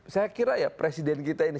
saya kira ya presiden kita ini